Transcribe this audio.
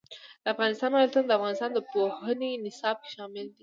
د افغانستان ولايتونه د افغانستان د پوهنې نصاب کې شامل دي.